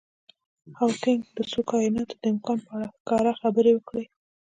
هاوکېنګ د څو کایناتونو د امکان په اړه ښکاره خبرې وکړي.